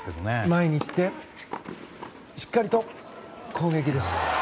前に行ってしっかりと攻撃です。